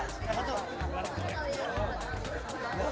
sudah sudah betul